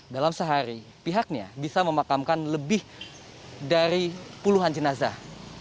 dalam sehari pihaknya bisa memakamkan lebih dari puluhan jenazah